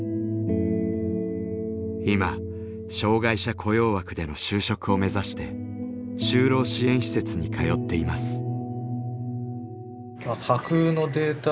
今障害者雇用枠での就職を目指して就労支援施設に通っています。